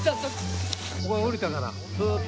ここへ降りたからずっと。